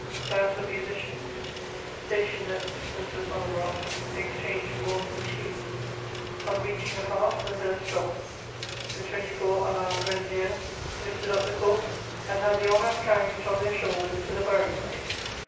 Bands of musicians, stationed at distances on the rocks, exchanged mournful tunes. On reaching a pass, the hearse stopped; the twenty four unarmed grenadiers lifted up the corpse and had the honour of carrying it on their shoulders to the burying place.